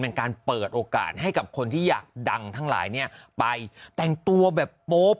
เป็นการเปิดโอกาสให้กับคนที่อยากดังทั้งหลายเนี่ยไปแต่งตัวแบบโป๊บ